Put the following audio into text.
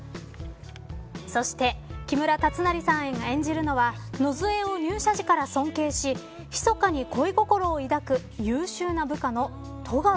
そして木村達成さんが演じるのは野末を入社時から尊敬しひそかに恋心を抱く優秀な部下の外川。